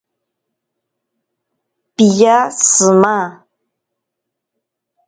Piya shima.